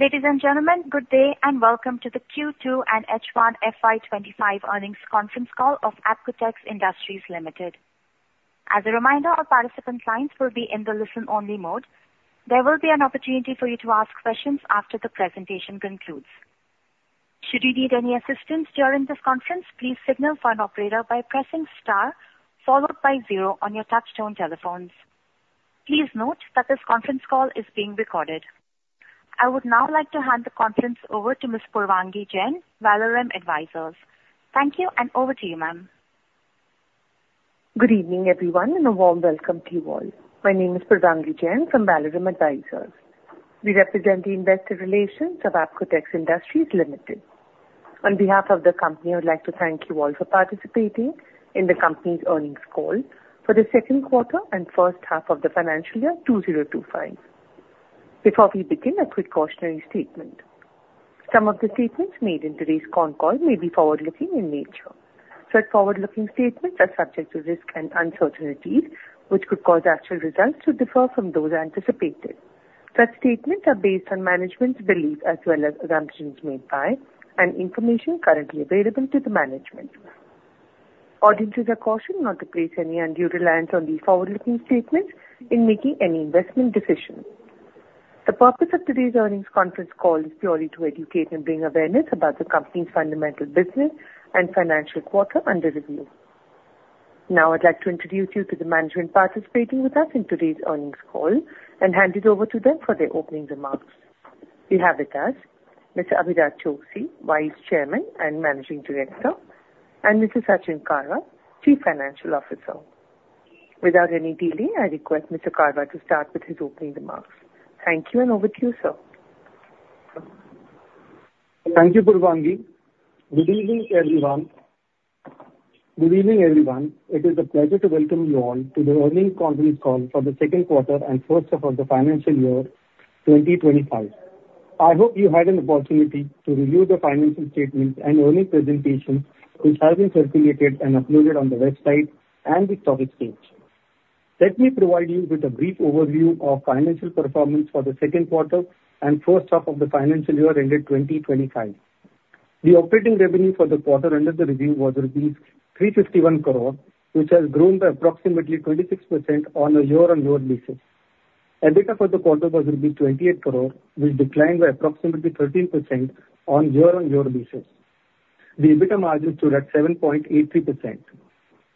Ladies and gentlemen, good day, and welcome to the Q2 and H1 FY twenty-five earnings conference call of Apcotex Industries Limited. As a reminder, all participant lines will be in the listen-only mode. There will be an opportunity for you to ask questions after the presentation concludes. Should you need any assistance during this conference, please signal for an operator by pressing star followed by zero on your touchtone telephones. Please note that this conference call is being recorded. I would now like to hand the conference over to Ms. Purvangi Jain, Valorem Advisors. Thank you, and over to you, ma'am. Good evening, everyone, and a warm welcome to you all. My name is Purvangi Jain from Valorem Advisors. We represent the investor relations of Apcotex Industries Limited. On behalf of the company, I would like to thank you all for participating in the company's earnings call for the second quarter and first half of the financial year 2025. Before we begin, a quick cautionary statement. Some of the statements made in today's conf call may be forward-looking in nature. Such forward-looking statements are subject to risks and uncertainties, which could cause actual results to differ from those anticipated. Such statements are based on management's belief as well as assumptions made by and information currently available to the management. Audiences are cautioned not to place any undue reliance on these forward-looking statements in making any investment decisions. The purpose of today's earnings conference call is purely to educate and bring awareness about the company's fundamental business and financial quarter under review. Now, I'd like to introduce you to the management participating with us in today's earnings call and hand it over to them for their opening remarks. We have with us Mr. Abhijit Joshi, Vice Chairman and Managing Director, and Mr. Sachin Karwa, Chief Financial Officer. Without any delay, I request Mr. Karwa to start with his opening remarks. Thank you, and over to you, sir. Thank you, Purvangi. Good evening, everyone. Good evening, everyone. It is a pleasure to welcome you all to the earnings conference call for the second quarter and first half of the financial year 2025. I hope you had an opportunity to review the financial statements and earnings presentation, which has been circulated and uploaded on the website and the stock exchanges. Let me provide you with a brief overview of financial performance for the second quarter and first half of the financial year ended 2025. The operating revenue for the quarter under review was rupees 351 crore, which has grown by approximately 26% on a year-on-year basis. EBITDA for the quarter was rupees 28 crore, which declined by approximately 13% on year-on-year basis. The EBITDA margin stood at 7.83%.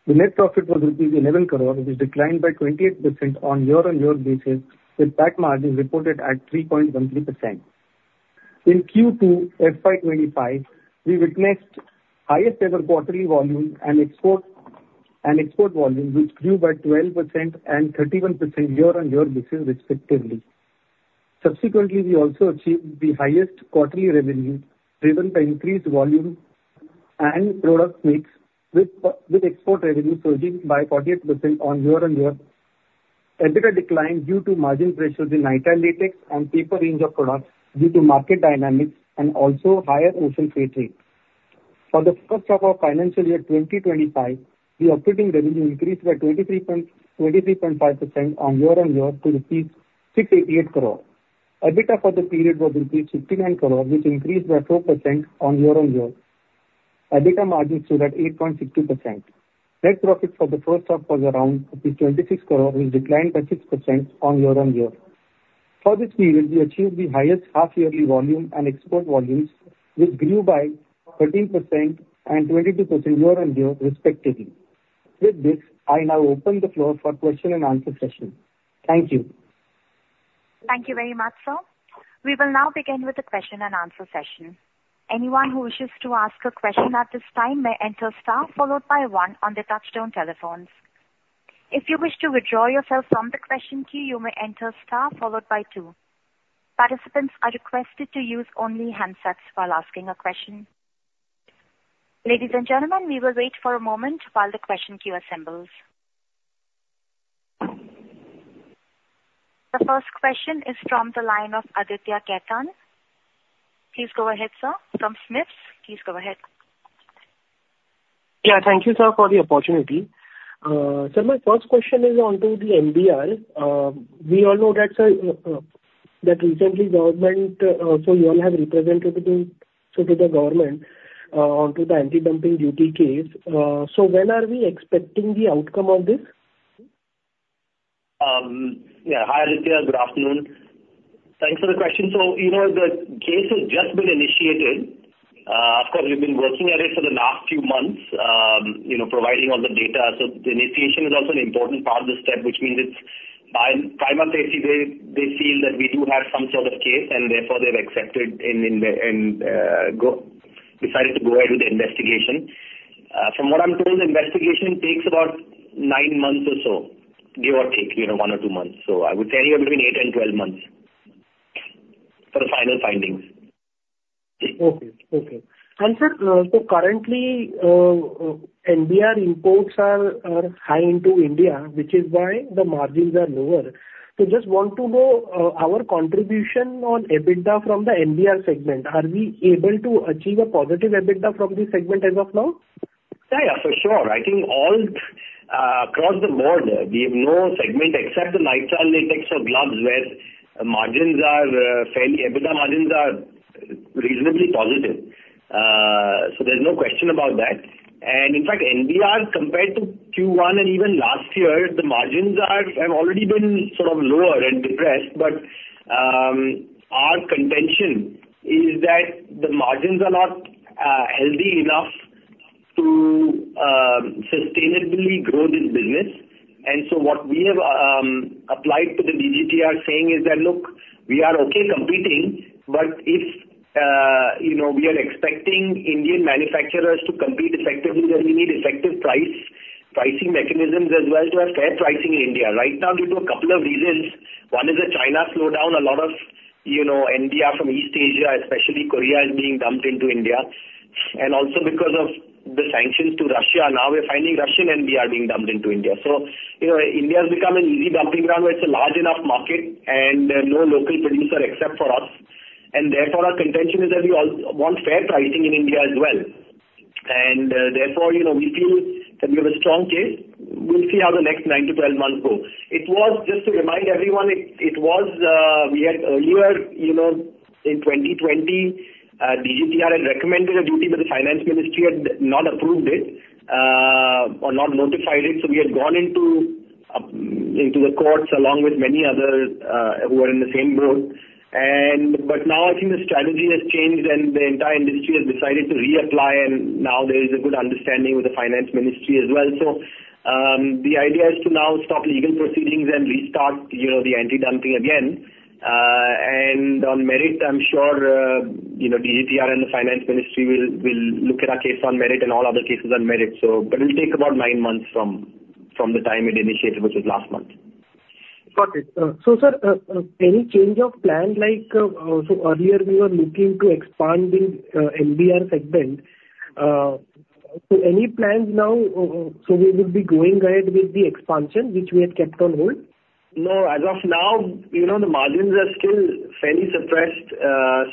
The net profit was rupees 11 crore, which declined by 28% on year-on-year basis, with PAT margin reported at 3.13%. In Q2 FY 2025, we witnessed highest ever quarterly volume and export volume, which grew by 12% and 31% year-on-year basis, respectively. Subsequently, we also achieved the highest quarterly revenue, driven by increased volume and product mix, with export revenue surging by 48% on year-on-year. EBITDA declined due to margin pressures in nitrile latex and paper range of products due to market dynamics and also higher ocean freight rates. For the first half of financial year 2025, the operating revenue increased by 23.5% on year on year to rupees 68 crore. EBITDA for the period was rupees 59 crore, which increased by 4% on year on year. EBITDA margins stood at 8.60%. Net profit for the first half was around 26 crore, which declined by 6% on year on year. For this period, we achieved the highest half-yearly volume and export volumes, which grew by 13% and 22% year on year, respectively. With this, I now open the floor for question and answer session. Thank you. Thank you very much, sir. We will now begin with the question and answer session. Anyone who wishes to ask a question at this time may enter star followed by one on their touchtone telephones. If you wish to withdraw yourself from the question queue, you may enter star followed by two. Participants are requested to use only handsets while asking a question. Ladies and gentlemen, we will wait for a moment while the question queue assembles. The first question is from the line of Aditya Khetan. Please go ahead, sir, from SMIFS. Please go ahead. Yeah, thank you, sir, for the opportunity. Sir, my first question is onto the NBR. We all know that, sir, that recently government, so you all have represented to, so to the government, onto the anti-dumping duty case. So when are we expecting the outcome of this? Yeah. Hi, Aditya. Good afternoon. Thanks for the question. So, you know, the case has just been initiated. Of course, we've been working at it for the last few months, you know, providing all the data. So the initiation is also an important part of the step, which means it's primarily they feel that we do have some sort of case, and therefore they've accepted and decided to go ahead with the investigation. From what I'm told, the investigation takes about nine months or so, give or take, you know, one or two months. So I would say anywhere between eight and 12 months for the final findings. Okay. Okay. And sir, so currently, NBR imports are high into India, which is why the margins are lower. So just want to know, our contribution on EBITDA from the NBR segment, are we able to achieve a positive EBITDA from this segment as of now? ...Yeah, yeah, for sure. I think all across the board, we have no segment except the nitrile latex or gloves, where margins are fairly EBITDA margins are reasonably positive. So there's no question about that. And in fact, NBR, compared to Q1 and even last year, the margins have already been sort of lower and depressed. But our contention is that the margins are not healthy enough to sustainably grow this business. And so what we have applied to the DGTR saying is that, "Look, we are okay competing, but if you know, we are expecting Indian manufacturers to compete effectively, then we need effective pricing mechanisms as well to have fair pricing in India." Right now, due to a couple of reasons, one is the China slowdown, a lot of you know, NBR from East Asia, especially Korea, is being dumped into India. And also because of the sanctions to Russia, now we're finding Russian NBR being dumped into India. So, you know, India has become an easy dumping ground where it's a large enough market and there are no local producer except for us. And therefore, our contention is that we want fair pricing in India as well. And therefore, you know, we feel that we have a strong case. We'll see how the next nine to 12 months go. It was, just to remind everyone, it was, we had earlier, you know, in 2020, DGTR had recommended a duty, but the Finance Ministry had not approved it, or not notified it. So we had gone into, into the courts along with many others, who are in the same boat. But now I think the strategy has changed and the entire industry has decided to reapply, and now there is a good understanding with the Finance Ministry as well. So, the idea is to now stop legal proceedings and restart, you know, the anti-dumping again. And on merit, I'm sure, you know, DGTR and the Finance Ministry will look at our case on merit and all other cases on merit. But it'll take about nine months from the time it initiated, which was last month. Got it. So, sir, any change of plan, like, so earlier we were looking to expanding, NBR segment. So any plans now, so we would be going ahead with the expansion which we had kept on hold? No, as of now, you know, the margins are still fairly suppressed.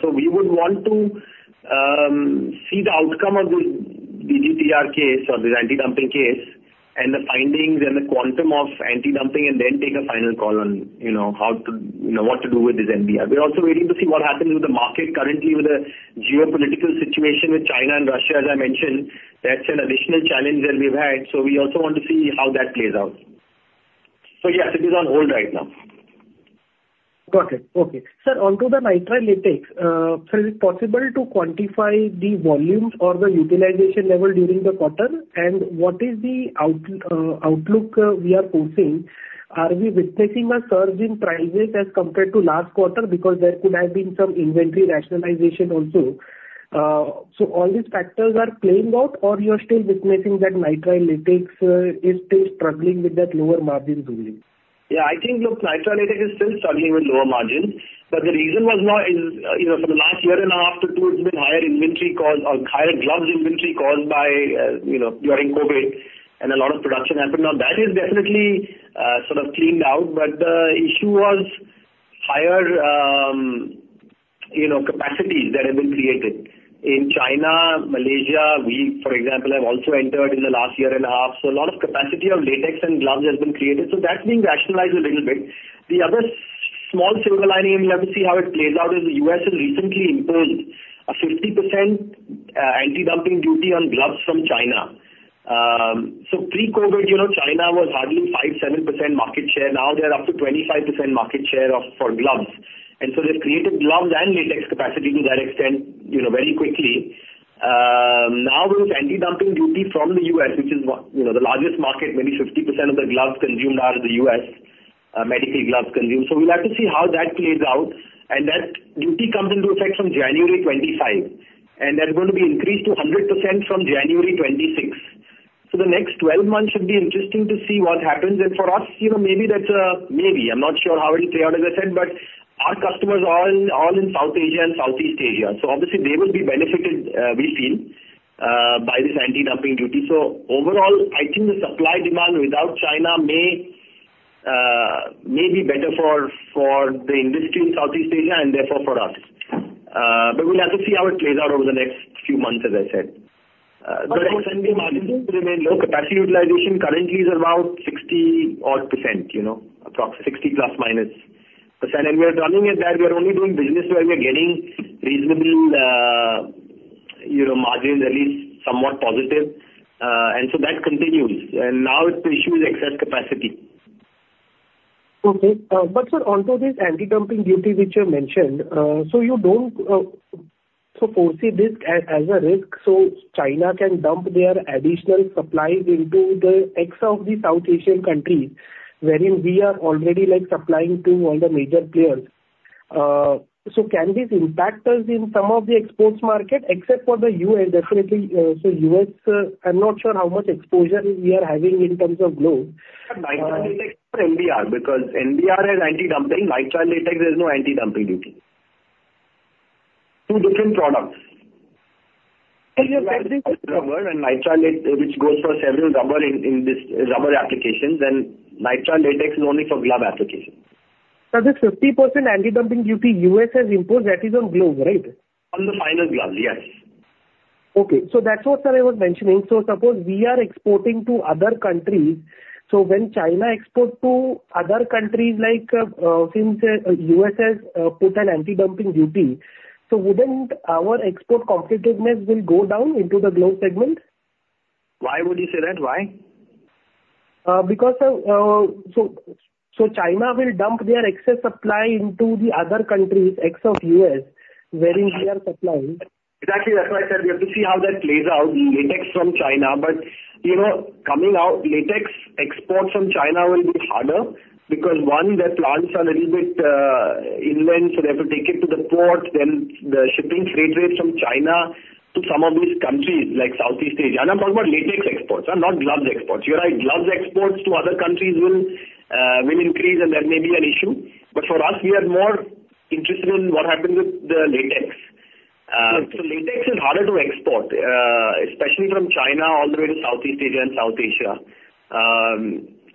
So we would want to see the outcome of this DGTR case or this anti-dumping case, and the findings and the quantum of anti-dumping, and then take a final call on, you know, how to, you know, what to do with this NBR. We're also waiting to see what happens with the market currently with the geopolitical situation with China and Russia, as I mentioned, that's an additional challenge that we've had. So we also want to see how that plays out. So yes, it is on hold right now. Got it. Okay. Sir, onto the nitrile latex, sir, is it possible to quantify the volumes or the utilization level during the quarter? And what is the outlook we are foreseeing? Are we witnessing a surge in prices as compared to last quarter? Because there could have been some inventory rationalization also. So all these factors are playing out, or you are still witnessing that nitrile latex is still struggling with that lower margins building? Yeah, I think, look, nitrile latex is still struggling with lower margins. But the reason was not, is, you know, for the last year and a half to two, it's been higher inventory costs or higher gloves inventory caused by, you know, during COVID and a lot of production happened. Now, that is definitely, sort of cleaned out, but the issue was higher, you know, capacities that have been created. In China, Malaysia, we, for example, have also entered in the last year and a half. So a lot of capacity of latex and gloves has been created. So that's being rationalized a little bit. The other small silver lining, and we'll have to see how it plays out, is the U.S. has recently imposed a 50% anti-dumping duty on gloves from China. So pre-COVID, you know, China was hardly 5%-7% market share. Now, they are up to 25% market share for gloves. And so they've created gloves and latex capacity to that extent, you know, very quickly. Now, with anti-dumping duty from the U.S., which is, you know, the largest market, maybe 50% of the gloves consumed are in the U.S., medical gloves consumed. So we'll have to see how that plays out. And that duty comes into effect from January 25, and that's going to be increased to 100% from January 26th. So the next 12 months should be interesting to see what happens. For us, you know, maybe that's maybe. I'm not sure how it'll play out, as I said, but our customers are all in South Asia and Southeast Asia, so obviously they will be benefited, we feel, by this anti-dumping duty. So overall, I think the supply-demand without China may be better for the industry in Southeast Asia and therefore for us. But we'll have to see how it plays out over the next few months, as I said, but margins will remain low. Capacity utilization currently is about 60-odd%, you know, approximately 60-plus minus %. We are running at that. We are only doing business where we are getting reasonable, you know, margins, at least somewhat positive. And so that continues, and now the issue is excess capacity. Okay. But sir, onto this anti-dumping duty, which you mentioned, so you don't foresee this as a risk, so China can dump their additional supplies into the rest of the Southeast Asian countries, wherein we are already, like, supplying to all the major players, so can this impact us in some of the export markets, except for the U.S., definitely, so U.S., I'm not sure how much exposure we are having in terms of growth? Nitrile is NBR, because NBR has anti-dumping. Nitrile latex, there's no anti-dumping duty. Two different products. Yeah, you said this- Rubber and nitrile latex, which goes for several rubber applications, and nitrile latex is only for glove applications. ...So this 50% anti-dumping duty U.S. has imposed, that is on gloves, right? On the final glove, yes. Okay. So that's what, sir, I was mentioning. So suppose we are exporting to other countries, so when China exports to other countries like, since U.S. has put an anti-dumping duty, so wouldn't our export competitiveness will go down into the glove segment? Why would you say that? Why? Because of, so China will dump their excess supply into the other countries, ex of US, wherein we are supplying. Exactly, that's why I said we have to see how that plays out, latex from China. But, you know, coming out, latex exports from China will be harder, because, one, their plants are little bit inland, so they have to take it to the port. Then the shipping freight rates from China to some of these countries like Southeast Asia. And I'm talking about latex exports, not gloves exports. You're right, gloves exports to other countries will increase, and that may be an issue. But for us, we are more interested in what happens with the latex. Okay. So latex is harder to export? Especially from China all the way to Southeast Asia and South Asia.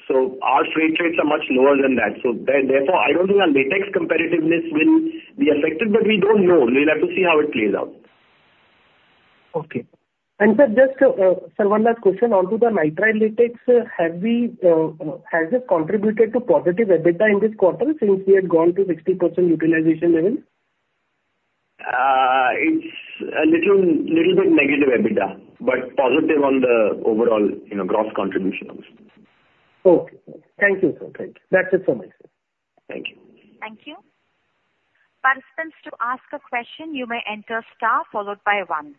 So our freight rates are much lower than that. So therefore, I don't think our latex competitiveness will be affected, but we don't know. We'll have to see how it plays out. Okay. And, sir, just, sir, one last question on to the nitrile latex. Have we, has it contributed to positive EBITDA in this quarter since we had gone to 60% utilization level? It's a little bit negative EBITDA, but positive on the overall, you know, gross contribution. Okay. Thank you, sir. Thank you. That's it for me, sir. Thank you. Thank you. Participants, to ask a question, you may enter star followed by one.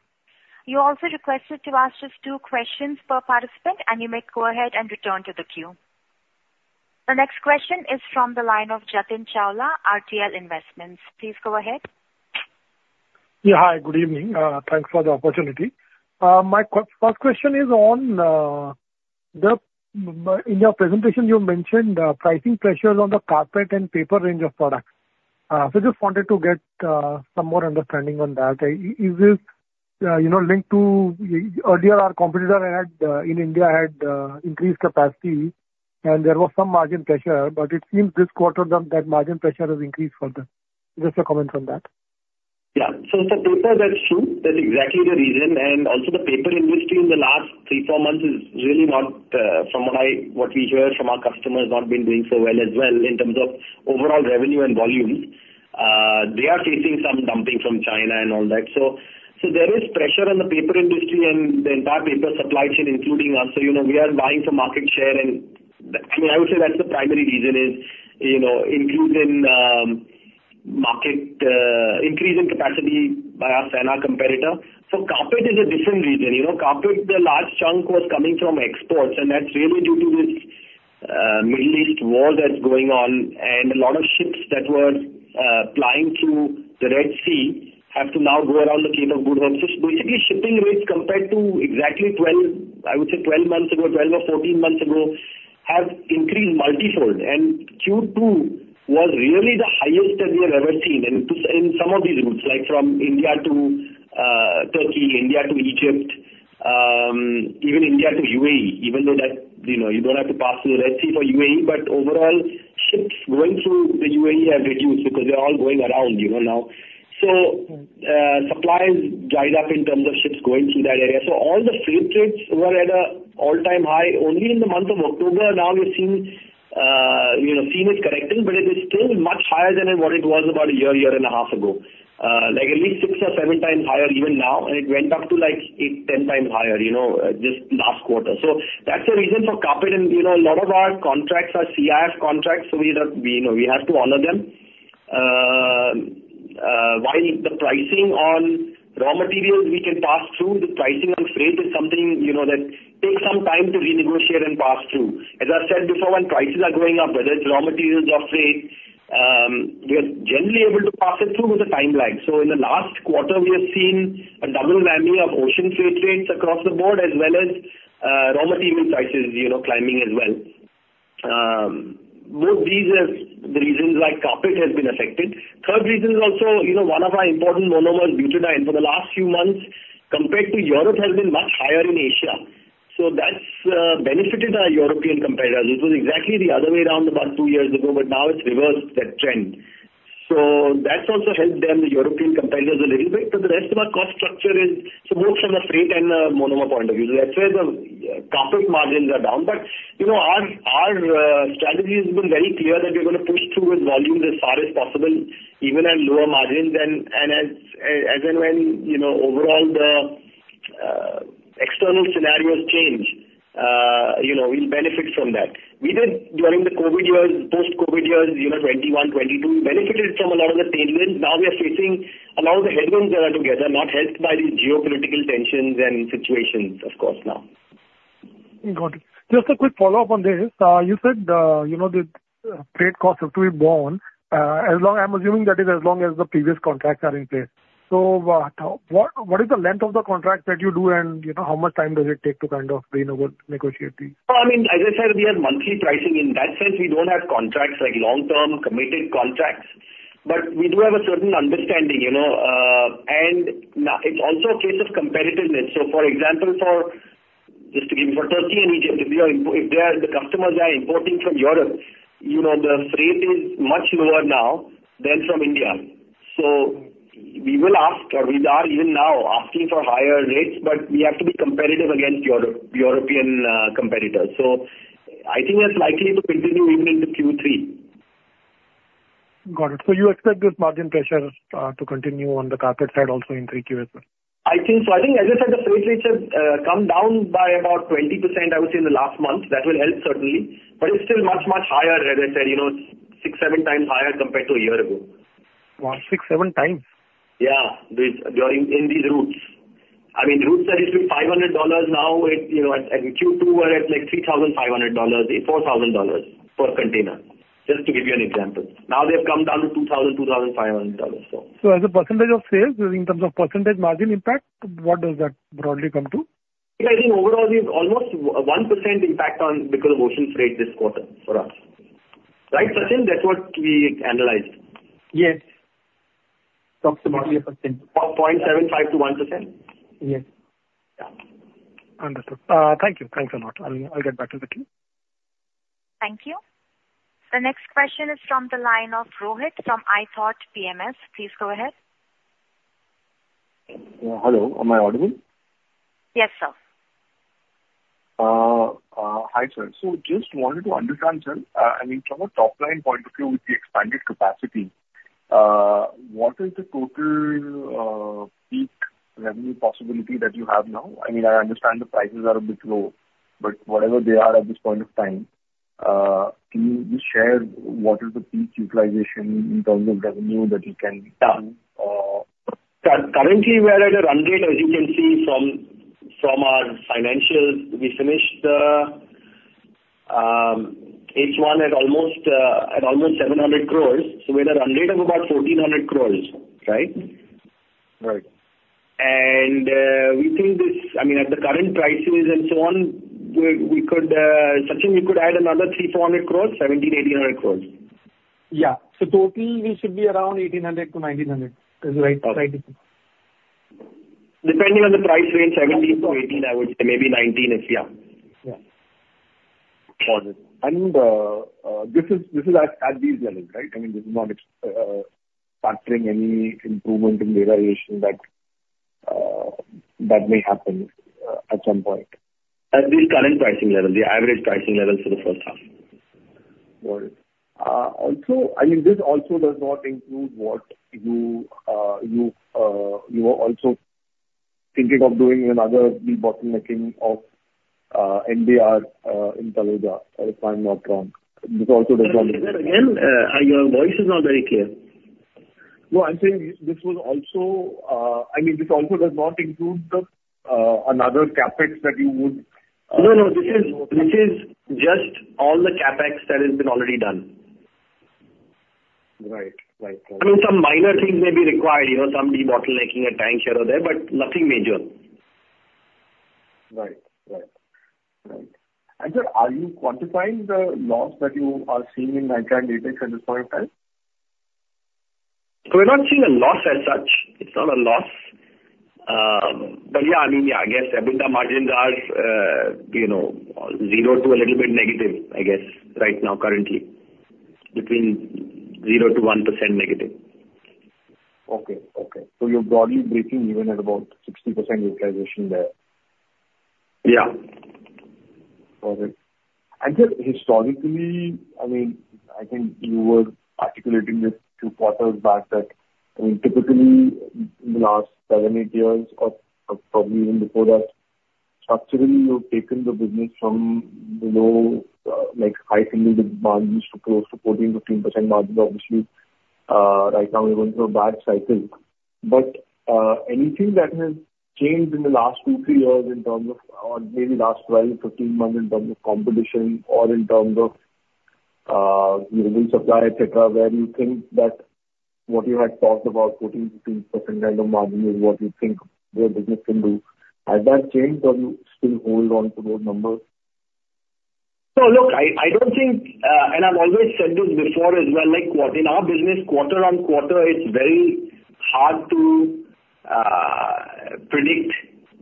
You're also requested to ask just two questions per participant, and you may go ahead and return to the queue. The next question is from the line of Jatin Chawla, RTL Investments. Please go ahead. Yeah, hi, good evening. Thanks for the opportunity. My first question is on, in your presentation, you mentioned pricing pressures on the carpet and paper range of products. So just wanted to get some more understanding on that. Is this, you know, linked to earlier our competitor had in India had increased capacity and there was some margin pressure, but it seems this quarter that margin pressure has increased for them. Just a comment on that. Yeah. So, sir, that's true. That's exactly the reason. And also the paper industry in the last three, four months is really not, from what we hear from our customers, not been doing so well as well in terms of overall revenue and volume. They are facing some dumping from China and all that. So there is pressure on the paper industry and the entire paper supply chain, including us. So, you know, we are buying some market share, and I mean, I would say that's the primary reason is, you know, including market increase in capacity by our Asian competitor. So carpet is a different region. You know, carpet, the large chunk was coming from exports, and that's really due to this Middle East war that's going on. And a lot of ships that were plying through the Red Sea have to now go around the Cape of Good Hope. So basically, shipping rates compared to exactly 12, I would say 12 months ago, 12 or 14 months ago, have increased multifold. And Q2 was really the highest that we have ever seen in some of these routes, like from India to Turkey, India to Egypt, even India to UAE, even though that, you know, you don't have to pass through the Red Sea for UAE. But overall, ships going through the UAE have reduced because they're all going around, you know now. So supply has dried up in terms of ships going through that area. So all the freight rates were at an all-time high. Only in the month of October, now we've seen, you know, seen it correcting, but it is still much higher than what it was about a year, year and a half ago. Like at least six or seven times higher even now, and it went up to, like, eight, ten times higher, you know, just last quarter. So that's the reason for carpet. And, you know, a lot of our contracts are CIF contracts, so we, you know, we have to honor them. While the pricing on raw materials, we can pass through, the pricing on freight is something, you know, that takes some time to renegotiate and pass through. As I said before, when prices are going up, whether it's raw materials or freight, we are generally able to pass it through with a timeline. So in the last quarter, we have seen a double whammy of ocean freight rates across the board, as well as raw material prices, you know, climbing as well. Both these are the reasons why carpet has been affected. Third reason is also, you know, one of our important monomers, butadiene, for the last few months, compared to Europe, has been much higher in Asia. So that's benefited our European competitors. It was exactly the other way around about two years ago, but now it's reversed that trend. So that's also helped them, the European competitors, a little bit, but the rest of our cost structure is so more from the freight and monomer point of view. That's why the carpet margins are down. But, you know, our strategy has been very clear that we're gonna push through with volumes as far as possible, even at lower margins. And as and when, you know, overall the external scenarios change, you know, we'll benefit from that. We did during the COVID years, post-COVID years, you know, 2021, 2022, benefited from a lot of the tailwinds. Now we are facing a lot of the headwinds that are together, not helped by the geopolitical tensions and situations, of course, now. Got it. Just a quick follow-up on this. You said, you know, the freight costs have to be borne as long... I'm assuming that is as long as the previous contracts are in place. So, what is the length of the contract that you do, and, you know, how much time does it take to kind of renegotiate these? I mean, as I said, we have monthly pricing. In that sense, we don't have contracts like long-term, committed contracts. We do have a certain understanding, you know, and now it's also a case of competitiveness. So for example, just to give, for Turkey and Egypt, if they are, the customers are importing from Europe, you know, the freight is much lower now than from India. So we will ask, or we are even now asking for higher rates, but we have to be competitive against European competitors. So I think that's likely to continue even into Q3. Got it. So you expect this margin pressure to continue on the carpet side also in 3Q as well? I think so. I think, as I said, the freight rates have come down by about 20%, I would say, in the last month. That will help certainly, but it's still much, much higher, as I said, you know, six, seven times higher compared to a year ago. Wow! Six, seven times? Yeah, in these routes. I mean, routes that used to be $500 now it's, you know, at Q2, were at, like, $3,500-$4,000 per container, just to give you an example. Now they've come down to $2,000-$2,500, so. So as a percentage of sales, in terms of percentage margin impact, what does that broadly come to? I think overall it's almost 1% impact on because of ocean freight this quarter for us. Right, Sachin? That's what we analyzed. Yes. Approximately 1%. Oh, 0.75%-1%? Yes. Yeah. Understood. Thank you. Thanks a lot. I'll get back to the team. Thank you. The next question is from the line of Rohit, from iThought PMS. Please go ahead. Hello, am I audible? Yes, sir. Hi, sir. So just wanted to understand, sir, I mean, from a top-line point of view, with the expanded capacity, what is the total, peak revenue possibility that you have now? I mean, I understand the prices are a bit low, but whatever they are at this point of time, can you just share what is the peak utilization in terms of revenue that you can- Done. Uh- Currently we are at a run rate, as you can see from our financials. We finished H1 at almost 700 crores. So we had a run rate of about 1,400 crores, right? Right. We think this, I mean, at the current prices and so on, we could, Sachin, add another 300-400 crores, 1,700-1,800 crores. Yeah. So total, we should be around 1800 to 1900, is right, right? Depending on the price range, 17-18, I would say. Maybe 19, if, yeah. Yeah. Got it. And this is at these levels, right? I mean, this is not factoring any improvement in realization that may happen at some point. At the current pricing level, the average pricing level for the first half. Got it. Also, I mean, this also does not include what you are also thinking of doing another debottlenecking of NBR in Valia, if I'm not wrong. This also does not- Sir, again, your voice is not very clear. No, I'm saying this was also, I mean, this also does not include the, another CapEx that you would- No, no, this is, this is just all the CapEx that has been already done. Right. Right. I mean, some minor things may be required, you know, some debottlenecking, a tank here or there, but nothing major. Right. Right. Right. And sir, are you quantifying the loss that you are seeing in nitrile latex at this point of time? We're not seeing a loss as such. It's not a loss. But yeah, I mean, yeah, I guess, EBITDA margins are, you know, zero to a little bit negative, I guess, right now currently. Between zero to 1% negative. Okay. So you're broadly breaking even at about 60% utilization there? Yeah. Got it. And, historically, I mean, I think you were articulating this two quarters back, that, I mean, typically in the last seven, eight years, or, or probably even before that, structurally, you've taken the business from below, like, high single digit margins to close to 14-15% margins. Obviously, right now we're going through a bad cycle. But, anything that has changed in the last two, three years in terms of or maybe last 12, 15 months in terms of competition or in terms of, you know, supply, et cetera, where you think that what you had talked about, 14-15% kind of margin is what you think your business can do. Has that changed, or you still hold on to those numbers? So look, I don't think, and I've always said this before as well, like, quarter on quarter, it's very hard to predict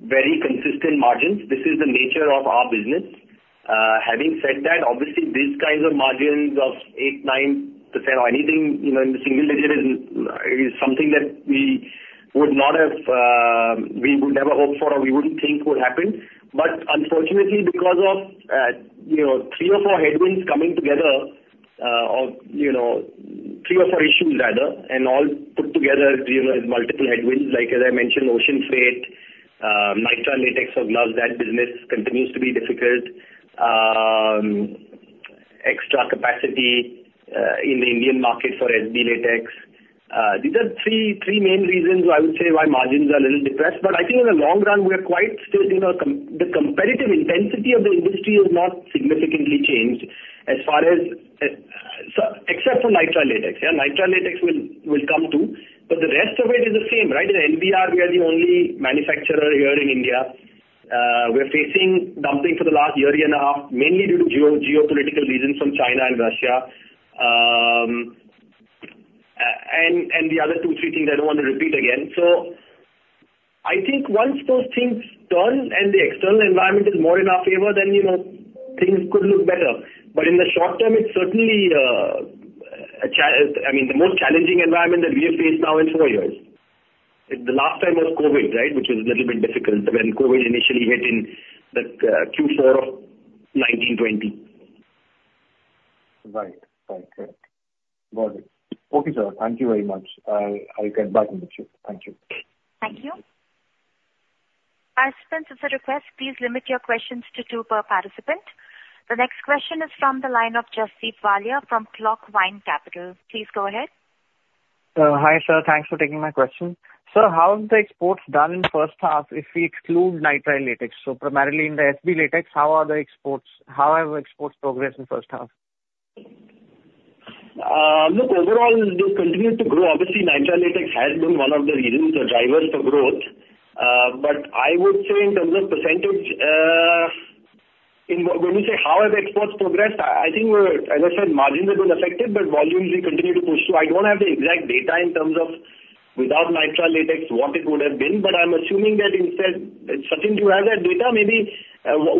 very consistent margins. This is the nature of our business. Having said that, obviously these kinds of margins of 8%, 9% or anything, you know, in the single digit is something that we would not have, we would never hope for, or we wouldn't think would happen. But unfortunately, because of, you know, three or four headwinds coming together, or, you know, three or four issues rather, and all put together, you know, as multiple headwinds, like as I mentioned, ocean freight, nitrile latex as well, that business continues to be difficult. Extra capacity in the Indian market for SB Latex. These are three main reasons I would say why margins are a little depressed. But I think in the long run, we are quite still, you know. The competitive intensity of the industry has not significantly changed as far as, so except for nitrile latex. Nitrile latex will come too, but the rest of it is the same, right? In NBR, we are the only manufacturer here in India. We're facing dumping for the last year and a half, mainly due to geopolitical reasons from China and Russia. And the other two, three things I don't want to repeat again. So I think once those things turn and the external environment is more in our favor, then, you know, things could look better. But in the short term, it's certainly, I mean, the most challenging environment that we have faced now in four years. The last time was COVID, right? Which was a little bit difficult when COVID initially hit in the Q4 of 2019-20. Right. Right. Correct. Got it. Okay, sir. Thank you very much. I, I'll get back with you. Thank you. Thank you. Participants, as a request, please limit your questions to two per participant. The next question is from the line of Jasdeep Walia from Clockvine Capital. Please go ahead. Hi, sir. Thanks for taking my question. Sir, how have the exports done in first half if we exclude nitrile latex? So primarily in the SB latex, how are the exports? How have exports progressed in first half? Look, overall, they continue to grow. Obviously, nitrile latex has been one of the reasons or drivers for growth, but I would say in terms of percentage, in when we say, how have exports progressed, I think we're... As I said, margins have been affected, but volumes we continue to push through. I don't have the exact data in terms of without nitrile latex, what it would have been, but I'm assuming that instead... Sachin, do you have that data? Maybe,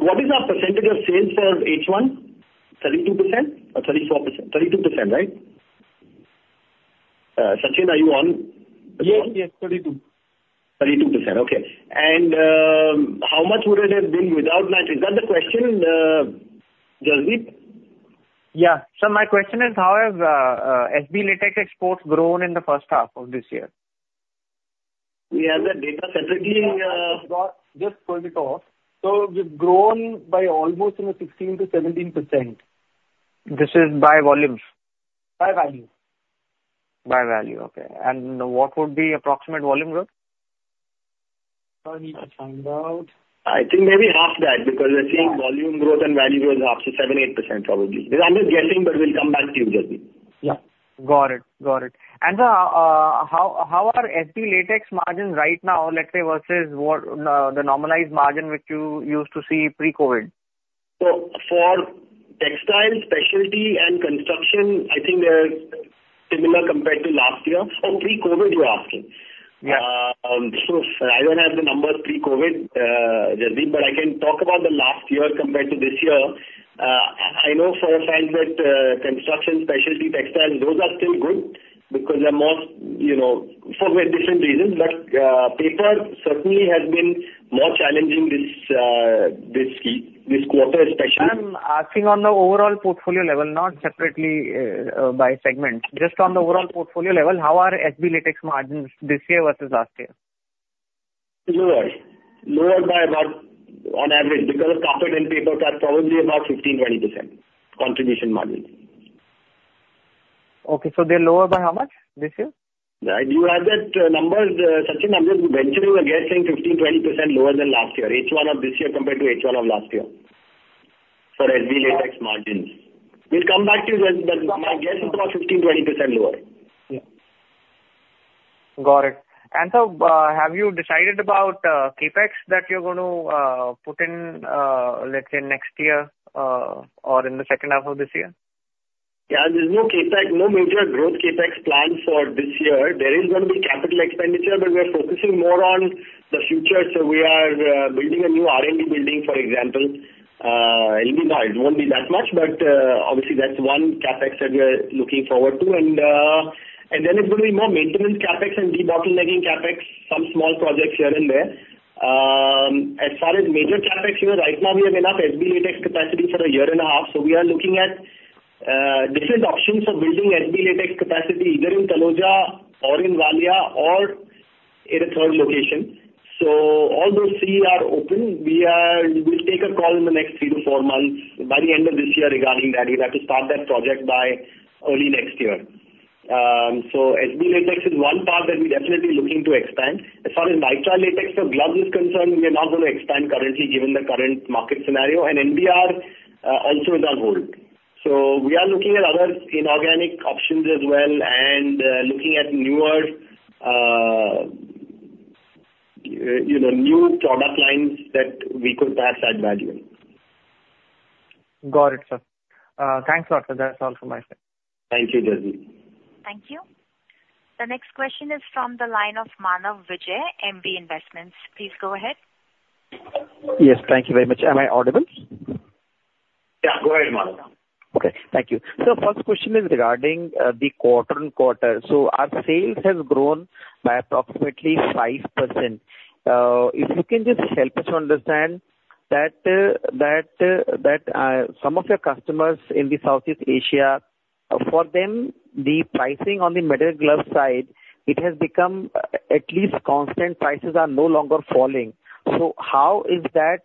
what is our percentage of sales for H1? 32% or 34%? 32%, right? Sachin, are you on the call? Yes, yes, 32. 32%. Okay. And, how much would it have been without nitrile? Is that the question, Jasdeep? Yeah. My question is: How has SB latex exports grown in the first half of this year? We have that data, certainly. Got this quarter off. So we've grown by almost, you know, 16-17%. This is by volume? By value. By value, okay. And what would be approximate volume growth? I need to find out. I think maybe half that, because we're seeing volume growth and value growth up to 7-8% probably. This, I'm just guessing, but we'll come back to you, Jasdeep. Yeah. Got it. Got it. And how are SB latex margins right now, let's say, versus what the normalized margin which you used to see pre-COVID? So for textile, specialty and construction, I think they're similar compared to last year. Oh, pre-COVID, you're asking? Yeah. So I don't have the numbers pre-COVID, Jasdeep, but I can talk about the last year compared to this year. I know for a fact that construction, specialty, textiles, those are still good because they're more, you know, for very different reasons. But paper certainly has been more challenging this quarter, especially. I'm asking on the overall portfolio level, not separately, by segment. Just on the overall portfolio level, how are SB latex margins this year versus last year? Lower. Lower by about, on average, because of carpet and paper, that's probably about 15%-20% contribution margins. Okay, so they're lower by how much this year? Do you have that numbers, Sachin? We're venturing a guess, saying 15%-20% lower than last year, H1 of this year compared to H1 of last year for SB latex margins. We'll come back to you, but my guess is about 15%-20% lower. Yeah. Got it. And so, have you decided about, CapEx that you're going to, put in, let's say, next year, or in the second half of this year? Yeah, there's no CapEx, no major growth CapEx plans for this year. There is gonna be capital expenditure, but we are focusing more on the future. So we are building a new R&D building, for example. It won't be that much, but obviously, that's one CapEx that we are looking forward to. And then there's going to be more maintenance CapEx and debottlenecking CapEx, some small projects here and there. As far as major CapEx, you know, right now we have enough SB latex capacity for a year and a half. So we are looking at different options for building SB latex capacity, either in Taloja or in Valia or in a third location. So all those three are open. We'll take a call in the next three to four months, by the end of this year regarding that. We have to start that project by early next year. So SB latex is one part that we're definitely looking to expand. As far as nitrile latex for gloves is concerned, we are not going to expand currently, given the current market scenario, and NBR also is on hold. So we are looking at other inorganic options as well, and looking at newer, you know, new product lines that we could perhaps add value. Got it, sir. Thanks a lot. That's all from my side. Thank you, Jasdeep. Thank you. The next question is from the line of Manav Vijay, MV Investments. Please go ahead. Yes, thank you very much. Am I audible? Yeah, go ahead, Manav. Okay. Thank you. So first question is regarding the quarter on quarter. So our sales has grown by approximately 5%. If you can just help us understand that some of your customers in the Southeast Asia, for them, the pricing on the medical glove side, it has become at least constant, prices are no longer falling. So how is that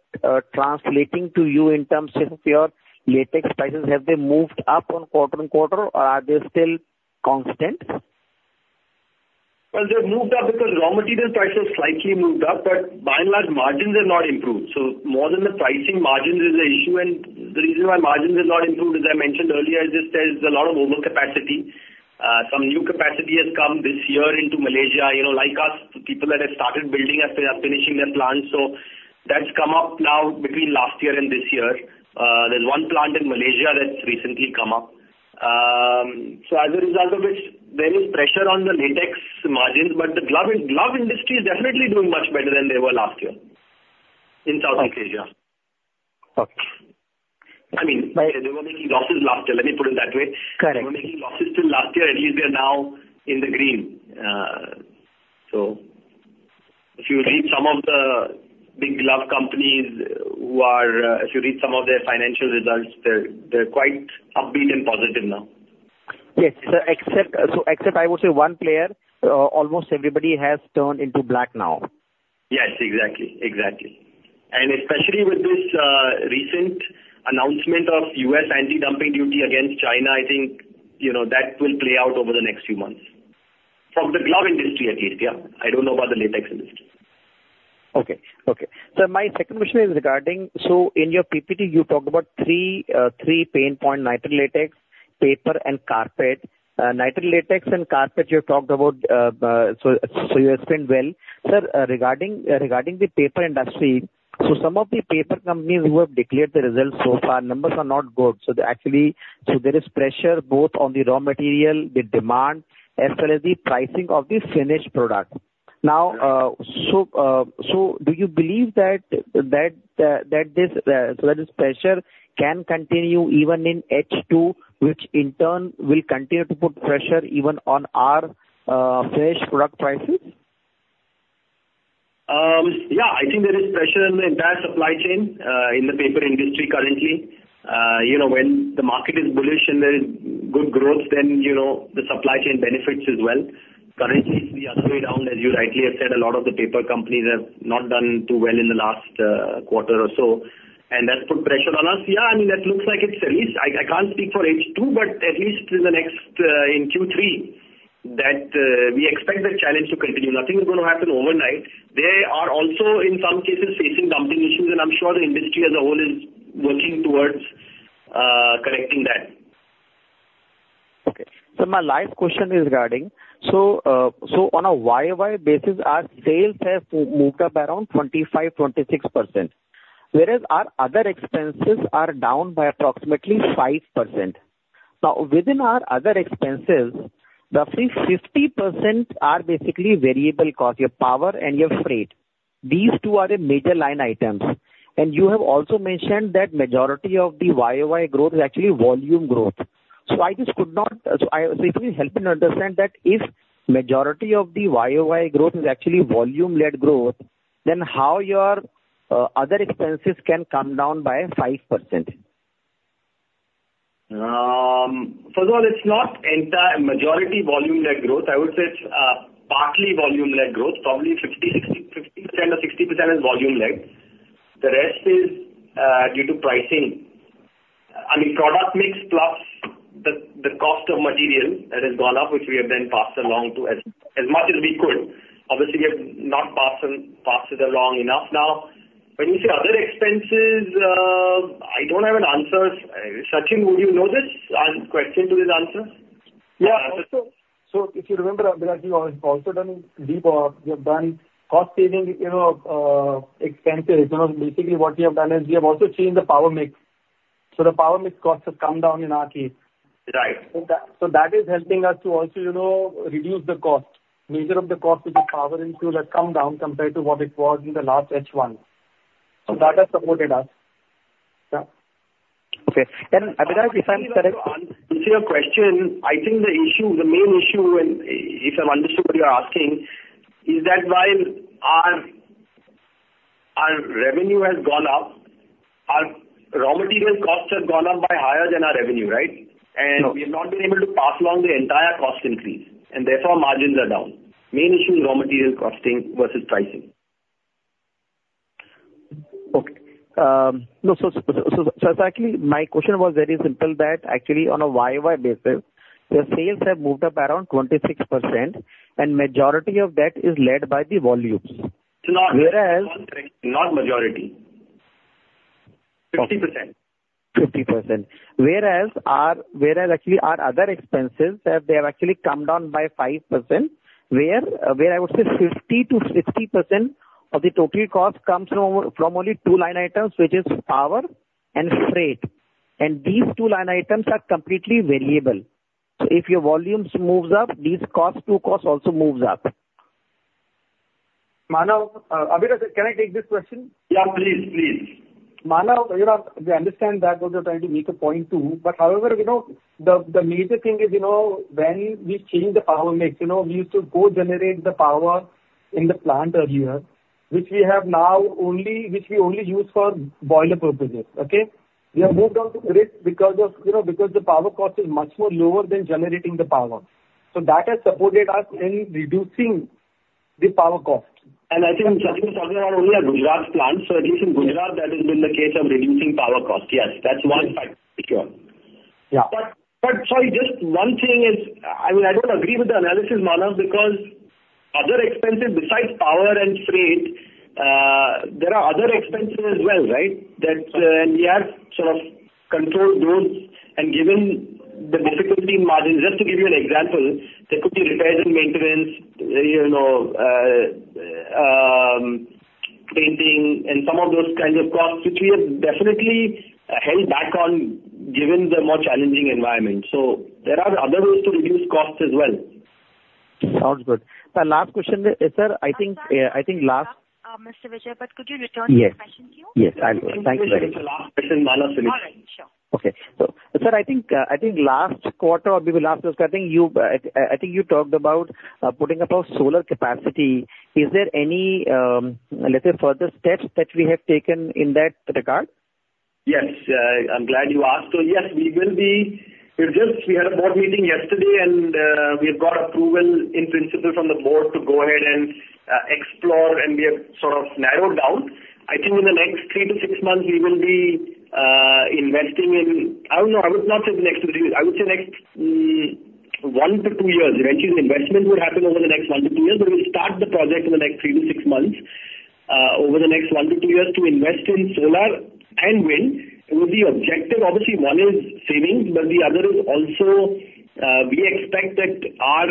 translating to you in terms of your latex prices? Have they moved up on quarter on quarter, or are they still constant? They've moved up because raw material prices slightly moved up, but by and large, margins have not improved. More than the pricing, margins is the issue. The reason why margins have not improved, as I mentioned earlier, is just there's a lot of overcapacity. Some new capacity has come this year into Malaysia. You know, like us, the people that have started building are finishing their plants, so that's come up now between last year and this year. There's one plant in Malaysia that's recently come up. So as a result of which, there is pressure on the latex margins, but the glove industry is definitely doing much better than they were last year in Southeast Asia. Okay. I mean, they were making losses last year. Let me put it that way. Correct. They were making losses till last year, at least they are now in the green. So if you read some of their financial results, they're quite upbeat and positive now. Yes. So except I would say one player, almost everybody has turned into black now. Yes, exactly, exactly. And especially with this recent announcement of U.S. anti-dumping duty against China, I think, you know, that will play out over the next few months. From the glove industry at least, yeah. I don't know about the latex industry. Okay, okay. So my second question is regarding the three pain points, nitrile latex, paper, and carpet. Nitrile latex and carpet you have talked about, so you explained well. Sir, regarding the paper industry, some of the paper companies who have declared the results so far, numbers are not good. So they actually, there is pressure both on the raw material, the demand, as well as the pricing of the finished product. Now, so do you believe that this pressure can continue even in H2, which in turn will continue to put pressure even on our fresh product prices? Yeah, I think there is pressure in the entire supply chain in the paper industry currently. You know, when the market is bullish and there is good growth, then, you know, the supply chain benefits as well. Currently, it's the other way around, as you rightly have said, a lot of the paper companies have not done too well in the last quarter or so, and that's put pressure on us. Yeah, I mean, that looks like it's at least. I can't speak for H2, but at least in the next in Q3, that we expect the challenge to continue. Nothing is going to happen overnight. They are also, in some cases, facing dumping issues, and I'm sure the industry as a whole is working towards correcting that. Okay. So my last question is regarding, so, on a YOY basis, our sales have moved up around 25-26%, whereas our other expenses are down by approximately 5%. Now, within our other expenses, roughly 50% are basically variable cost, your power and your freight. These two are the major line items. And you have also mentioned that majority of the YOY growth is actually volume growth. So I just could not, so if you help me understand that if majority of the YOY growth is actually volume-led growth, then how your other expenses can come down by 5%? First of all, it's not entire majority volume-led growth. I would say it's partly volume-led growth, probably 50, 60, 50% or 60% is volume-led. The rest is due to pricing. I mean, product mix plus the cost of material that has gone up, which we have then passed along to as much as we could. Obviously, we have not passed it along enough now. But you see, other expenses, I don't have an answer. Sachin, would you know this answer to this question? Yeah. So if you remember, Abhijit, we have also done deep or we have done cost saving, you know, expenses. You know, basically, what we have done is we have also changed the power mix. So the power mix costs have come down in our case. Right. That is helping us to also, you know, reduce the cost. Majority of the cost, which is power and fuel, has come down compared to what it was in the last H1. So that has supported us. Yeah. Okay, then, Abhijit, if I'm correct. To answer your question, I think the issue, the main issue, and if I've understood what you're asking, is that while our revenue has gone up, our raw material costs have gone up by higher than our revenue, right? Okay. We've not been able to pass along the entire cost increase, and therefore, margins are down. Main issue is raw material costing versus pricing. Okay. No, so actually, my question was very simple, that actually on a YOY basis, your sales have moved up around 26%, and majority of that is led by the volumes. It's not- Whereas- Not majority. 50%. 50%. Whereas actually, our other expenses have actually come down by 5%, where I would say 50%-60% of the total cost comes from only two line items, which is power and freight. And these two line items are completely variable. So if your volumes moves up, these two costs also moves up. Manav, Abhijit, can I take this question? Yeah, please, please. Manav, you know, we understand that what you're trying to make a point to, but however, you know, the, the major thing is, you know, when we change the power mix, you know, we used to co-generate the power in the plant earlier, which we have now only, which we only use for boiler purposes, okay? We have moved on to grid because of, you know, because the power cost is much more lower than generating the power. So that has supported us in reducing the power cost. And I think Sachin is talking about only our Gujarat plant. So at least in Gujarat, that has been the case of reducing power cost. Yes, that's one factor for sure. Yeah. But sorry, just one thing is, I don't agree with the analysis, Manav, because other expenses besides power and freight, there are other expenses as well, right? That we have sort of controlled those and given the difficulty in margin. Just to give you an example, there could be repairs and maintenance, you know, painting and some of those kinds of costs, which we have definitely held back on given the more challenging environment. There are other ways to reduce costs as well. Sounds good. The last question, sir, I think last- Mr. Vijay, but could you return to the queue? Yes, I will. Thank you very much. This is Manav speaking. All right. Sure. Okay. So, sir, I think last quarter or maybe last discussion, I think you talked about putting up a solar capacity. Is there any, let's say, further steps that we have taken in that regard? Yes. I'm glad you asked. So yes, we will be. We just had a board meeting yesterday, and we've got approval in principle from the board to go ahead and explore, and we have sort of narrowed down. I think in the next three to six months, we will be investing in. I don't know, I would not say the next two years. I would say next one to two years. Eventually, the investment would happen over the next one to two years, but we'll start the project in the next three to six months over the next one to two years to invest in solar and wind. With the objective, obviously, one is savings, but the other is also we expect that our